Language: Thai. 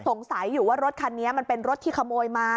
สงสัยอยู่ว่ารถคันนี้มันเป็นรถที่ขโมยมา